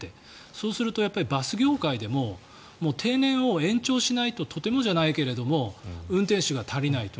そうするとバス業界でも定年を延長しないととてもじゃないけれども運転手が足りないと。